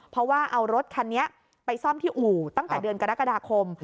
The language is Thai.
เพราะว่าเอารถคันนี้ไปซ่อมที่อู่ตั้งแต่เดือนกรกฎาคม